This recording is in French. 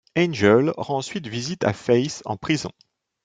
Angel rend ensuite visite à Faith en prison.